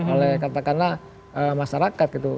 oleh katakanlah masyarakat gitu